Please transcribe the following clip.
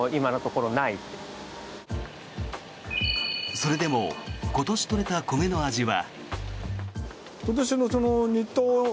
それでも今年取れた米の味は。